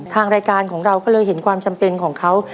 ทางรายการของเราก็เลยเห็นความจำเป็นของเขา